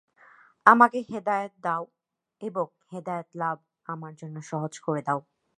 আমাকে হেদায়াত দাও এবং হেদায়াত লাভ আমার জন্য সহজ করে দাও।